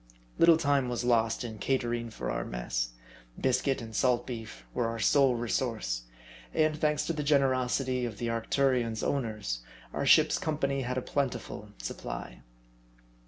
Little time was lost in catering for our mess. Biscuit and salt beef were our sole resource ; and, thanks to the generosity of the Aicturion's owners, our ship's company had a plentiful supply.